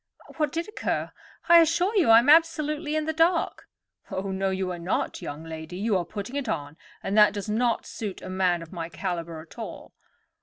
What did occur? I assure you I am absolutely in the dark." "Oh, no, you are not, young lady. You are putting it on, and that does not suit a man of my caliber at all.